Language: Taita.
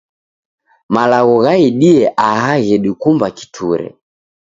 Malagho ghaidie aha ghedikumba kiture.